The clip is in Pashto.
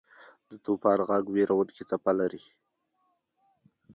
د طوفان ږغ وېرونکې څپه لري.